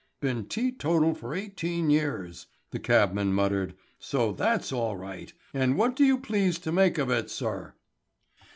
"Been teetotal for eighteen years," the cabman muttered, "so that's all right. And what do you please to make of it, sir?"